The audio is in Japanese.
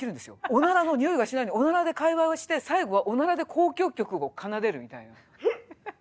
おならのにおいがしないのにおならで会話をして最後はおならで交響曲を奏でるみたいな。